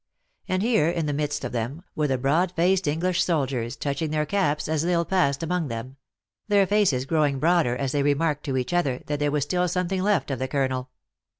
And here, in the mids; of them, were the broad faced Eng lish soldiers, touching their caps as L Isle passed among them their faces growing broader as they re marked to each othr, that there was still something left of the colonel.